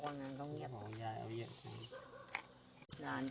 เวียนหัวไม่มาหรอกลูกไม่มาหรอก